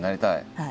はい。